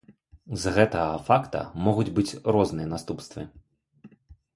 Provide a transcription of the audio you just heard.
З гэтага факта могуць быць розныя наступствы.